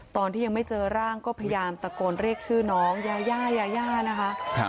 ตอนที่ยังไม่เจอร่างก็พยายามตะโกนเรียกชื่อน้องยาย่ายายานะคะ